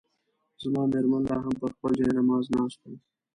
زما مېرمن لا هم پر خپل جاینماز ناست وه.